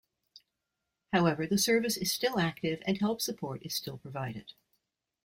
However the service is still active and help support is still provided.